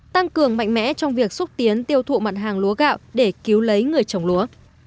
tăng cường mạnh mẽ trong việc xúc tiến tiêu thụ mặt hàng lúa gạo để cứu lấy người trồng lúa